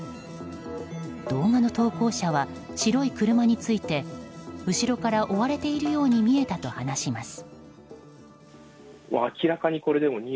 動画の投稿者は、白い車について後ろから追われているように見えたと話します。